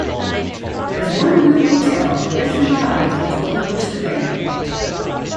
There is one good hotel, the Richmond Cottage which overlooks the bay.